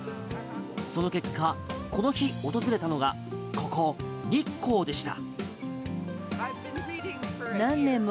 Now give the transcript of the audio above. その結果この日訪れたのがここ、日光でした。